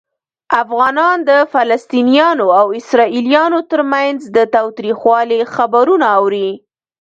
افغانان د فلسطینیانو او اسرائیلیانو ترمنځ د تاوتریخوالي خبرونه اوري.